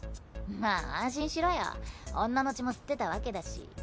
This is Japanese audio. まあ安心しろよ女の血も吸ってたわけだし。